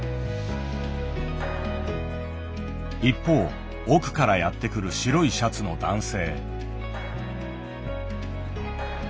一方奥からやって来る白いシャツの男性。